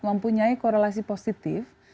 mempunyai korelasi positif